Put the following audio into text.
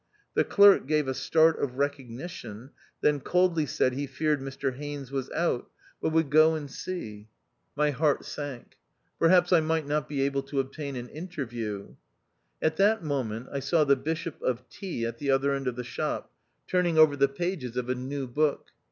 The clerk gave a start of recognition, then coldly said he feared Mr Haines was out, but would go and THE OUTCAST. 229 see. My heart sank. Perhaps I might not be able to obtain an interview. At that moment I saw the Bishop of T at the other end of the shop, turning over the pages of a new book.